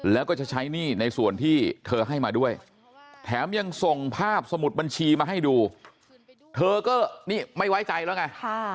แล้วก็จะใช้หนี้ในส่วนที่เธอให้มาด้วยแถมยังส่งภาพสมุดบัญชีมาให้ดูเธอก็นี่ไม่ไว้ใจแล้วไง